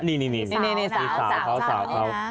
นี่สาว